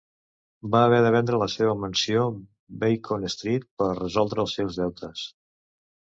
Va haver de vendre la seva mansió Beacon Street per resoldre els seus deutes.